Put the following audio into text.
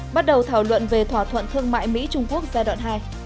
bắt đầu thảo luận về thỏa thuận thương mại mỹ trung quốc giai đoạn hai